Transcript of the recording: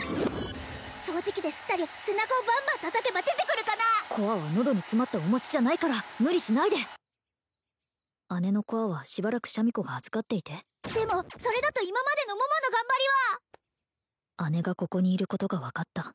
掃除機で吸ったり背中をバンバン叩けば出てくるかなコアは喉に詰まったお餅じゃないから無理しないで姉のコアはしばらくシャミ子が預かっていてでもそれだと今までの桃の頑張りは姉がここにいることが分かった